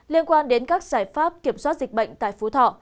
liên quan đến các giải pháp kiểm soát dịch bệnh tại phú thọ